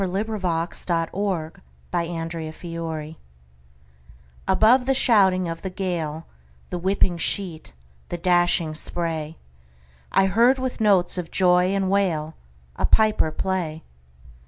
Clinton Scollard Bag Pipes at Sea ABOVE the shouting of the gale, The whipping sheet, the dashing spray,I heard, with notes of joy and wail,A piper play.